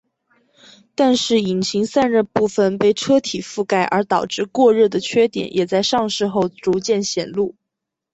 但是引擎散热部份被车体覆盖而导致过热的缺点也在上市后逐渐显露。